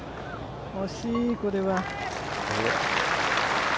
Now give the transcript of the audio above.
惜しい、これは。